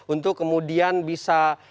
untuk kemudian bisa